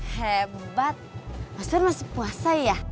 hebat mas pur masih puasa ya